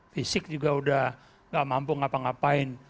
fisik juga sudah tidak mampu ngapa ngapain